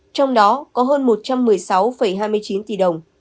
trong đó có hơn một trăm một mươi sáu hai mươi chín tỷ đồng